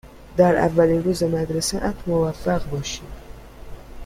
در اولین روز مدرسه ات موفق باشی.